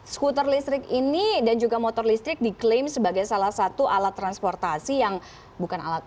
skuter listrik ini dan juga motor listrik diklaim sebagai salah satu alat transportasi yang bukan alat